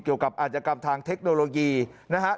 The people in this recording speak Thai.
เกี่ยวกับอันยกรรมทางเทคโนโลยีนะครับ